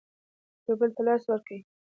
یو بل ته لاس ورکړئ